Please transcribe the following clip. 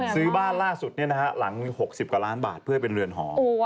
ซื้อบ้านล่าสุดหลัง๖๐กว่าล้านบาทเพื่อให้เป็นเรือนหอ